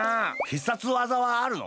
必殺技はあるの？